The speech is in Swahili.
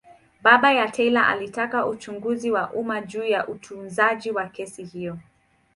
Baba ya Taylor alitaka uchunguzi wa umma juu ya utunzaji wa kesi hiyo.